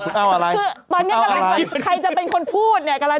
ตอนนี้กำลังขับใครจะเป็นคนพูดนี่